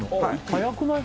早くない？